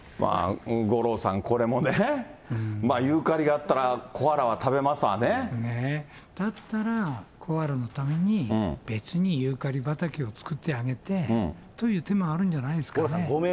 五郎さん、これもね、ユーカリがあったらコアラは食べますわだったら、コアラのために別にユーカリ畑を作ってあげて、という手もあるんじゃないですかね。